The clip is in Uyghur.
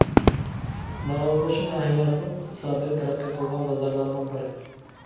مارالبېشى ناھىيەسىنىڭ ئىقتىسادى تەرەققىي قىلغان بازارلارنىڭ بىرى.